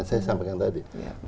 saya sampaikan tadi